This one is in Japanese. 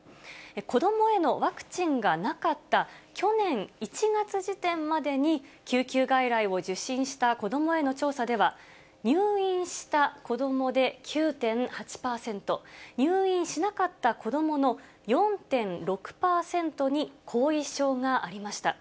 子どもへのワクチンがなかった去年１月時点までに、救急外来を受診した子どもへの調査では、入院した子どもで９．８％、入院しなかった子どもの４．６％に後遺症がありました。